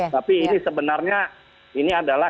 tapi ini sebenarnya